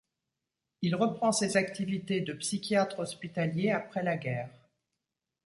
Il reprend ses activités de psychiatre hospitalier après la guerre.